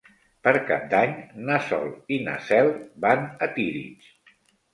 Per Cap d'Any na Sol i na Cel van a Tírig.